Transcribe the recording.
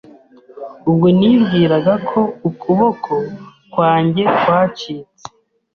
Ubwo nibwiraga ko ukuboko kwanjye kwacitse